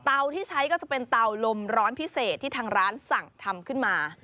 ที่ใช้ก็จะเป็นเตาลมร้อนพิเศษที่ทางร้านสั่งทำขึ้นมา